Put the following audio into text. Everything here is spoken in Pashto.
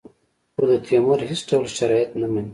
خو د تیمور هېڅ ډول شرایط نه مني.